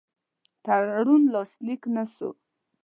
تړون لاسلیک نه سو.